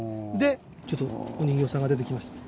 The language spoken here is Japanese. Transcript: ちょっとお人形さんが出てきました。